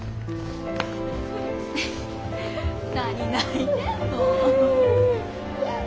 何泣いてんの。